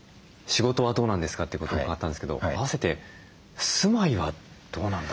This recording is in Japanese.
仕事はどうなんですか？ということを伺ったんですけどあわせて住まいはどうなんだろう？